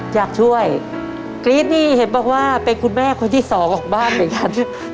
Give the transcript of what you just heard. อยากช่วยกรี๊ดนี่เห็นบอกว่าเป็นคุณแม่คนที่สองของบ้านเหมือนกัน